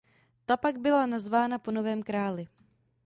Ta pak byla nazvána po novém králi.